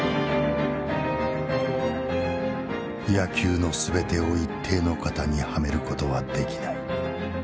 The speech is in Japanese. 「野球の総てを一定の型にはめる事は出来ない」。